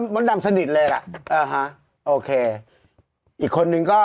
ไม่อ่าน